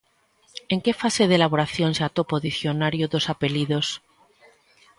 En que fase de elaboración se atopa o Dicionario dos apelidos?